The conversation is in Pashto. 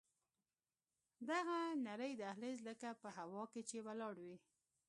دغه نرى دهلېز لکه په هوا کښې چې ولاړ وي.